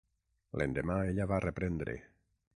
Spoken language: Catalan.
L'endemà ella va reprendre;